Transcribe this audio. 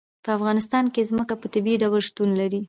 په افغانستان کې ځمکه په طبیعي ډول شتون لري.